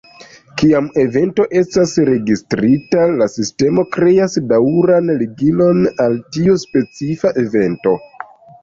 Kiam evento estas registrita, la sistemo kreas daŭran ligilon al tiu specifa evento.